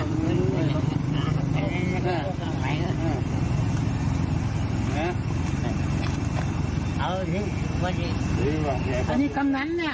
กำลังคือสาม